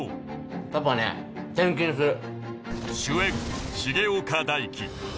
パパね転勤する。